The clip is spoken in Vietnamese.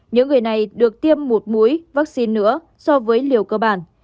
những người này được tiêm một mũi vaccine nữa so với liều cơ bản